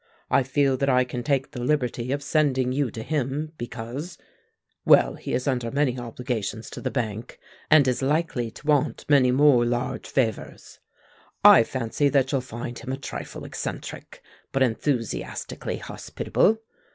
I feel that I can take the liberty of sending you to him, because well, he is under many obligations to the bank, and is likely to want many more large favors. I fancy that you'll find him a trifle eccentric, but enthusiastically hospitable.